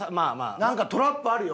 なんかトラップあるよ。